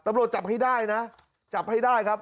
ตำรวจจับให้ได้นะจับให้ได้ครับ